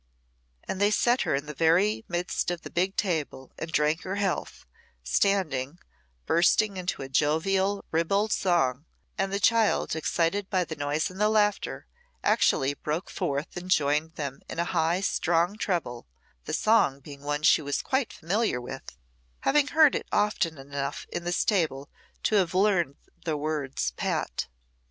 And they set her in the very midst of the big table and drank her health, standing, bursting into a jovial, ribald song; and the child, excited by the noise and laughter, actually broke forth and joined them in a high, strong treble, the song being one she was quite familiar with, having heard it often enough in the stable to have learned the words pat.